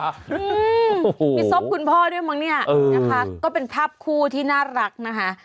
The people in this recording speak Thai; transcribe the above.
มีศพคุณพ่อด้วยมั้งเนี่ยนะคะก็เป็นภาพคู่ที่น่ารักนะคะ